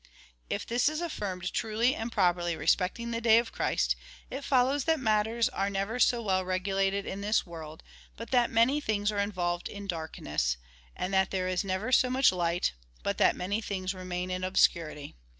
If this is affirmed truly and pro perly respecting the day of Christ, it follows that matters are never so well regulated in this world but that many things are involved in darkness, and that there is never so much light, but that many things remain in obscurity.